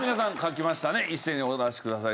一斉にお出しください。